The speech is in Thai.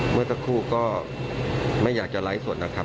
เมื่อสักครู่ก็ไม่อยากจะไลฟ์สดนะครับ